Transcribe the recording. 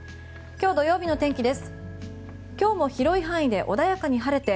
明日日曜日の天気です。